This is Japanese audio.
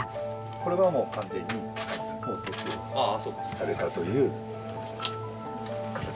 これはもう完全に撤去されたという形です。